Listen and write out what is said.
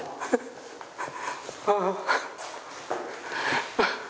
ああ。